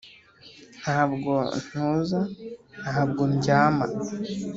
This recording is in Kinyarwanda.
Ntabwo ntuza ntabwo ndyama